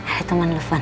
ada teman telepon